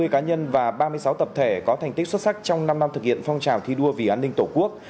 hai mươi cá nhân và ba mươi sáu tập thể có thành tích xuất sắc trong năm năm thực hiện phong trào thi đua vì an ninh tổ quốc